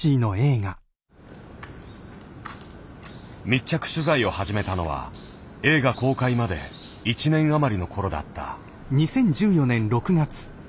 密着取材を始めたのは映画公開まで１年余りの頃だった。